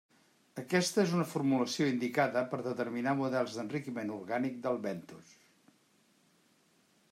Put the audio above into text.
Aquesta és una formulació indicada per a determinar models d'enriquiment orgànic del bentos.